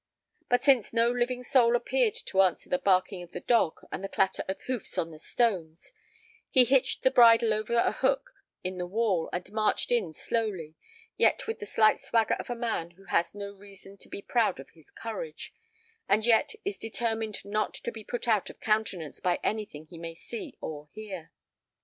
But since no living soul appeared to answer the barking of the dog and the clatter of hoofs on the stones, he hitched the bridle over a hook in the wall and marched in slowly, yet with the slight swagger of a man who has no reason to be proud of his courage, and yet is determined not to be put out of countenance by anything he may see or hear.